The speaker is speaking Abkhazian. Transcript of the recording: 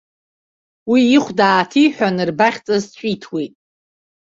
Уи ихәда ааҭиҳәан, рбаӷьҵас ҿиҭуеит.